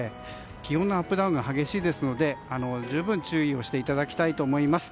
気温のアップダウンが激しいですので十分、注意をしていただきたいと思います。